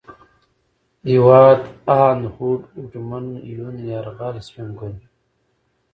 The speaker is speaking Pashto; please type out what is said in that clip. هېواد ، هاند ، هوډ ، هوډمن ، يون ، يرغل ، سپين ګل